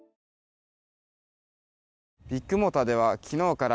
ビッグモーターでは昨日から